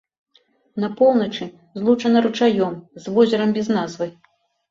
На поўначы злучана ручаём з возерам без назвы.